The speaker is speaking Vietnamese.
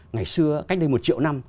ngày xưa cách đây một triệu năm